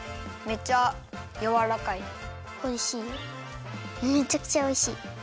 めちゃくちゃおいしい。